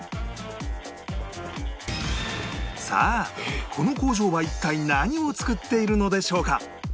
さあこの工場は一体何を作っているのでしょうか？